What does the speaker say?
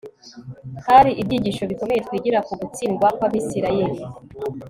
hari ibyigisho bikomeye twigira ku gutsindwa kw'abisirayeli